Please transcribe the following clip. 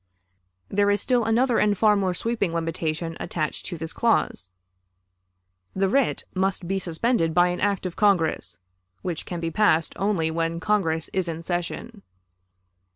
There is still another and far more sweeping limitation attached to this clause. The writ must be suspended by an act of Congress, which can be passed only when Congress is in session.